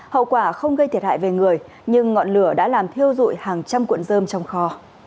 hậu quả không gây thiệt hại về người nhưng ngọn lửa đã làm thiêu dụi hàng trăm cuộn dơm trong kho